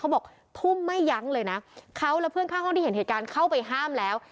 บอกทุ่มไม่ยั้งเลยนะเขาและเพื่อนข้างห้องที่เห็นเหตุการณ์เข้าไปห้ามแล้ว